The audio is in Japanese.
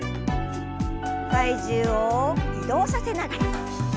体重を移動させながら。